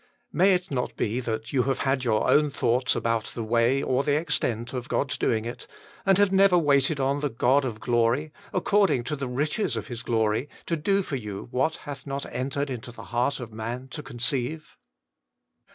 May it not be that you have had your own thoughts about the way or the extent of God's doing it, and have never waited on the God of glory, according to the riches of His glory, to do for you what hath not entered the heart of man to conceive